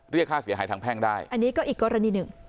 เรียกค่าเสียหายทางแพ่งได้อันนี้ก็อีกกรณีหนึ่ง